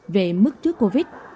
về mức trước covid